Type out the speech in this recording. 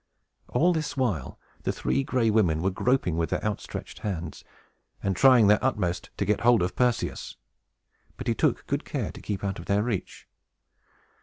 All this while the Three Gray Women were groping with their outstretched hands, and trying their utmost to get hold of Perseus. But he took good care to keep out of their reach.